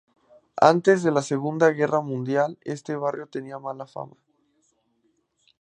Antes de la Segunda Guerra Mundial este barrio tenía mala fama.